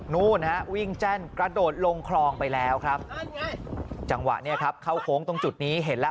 นู่นฮะวิ่งแจ้นกระโดดลงคลองไปแล้วครับจังหวะเนี่ยครับเข้าโค้งตรงจุดนี้เห็นแล้ว